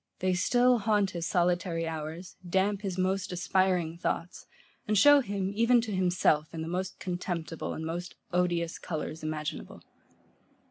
They still haunt his solitary hours, damp his most aspiring thoughts, and show him, even to himself, in the most contemptible and most odious colours imaginable.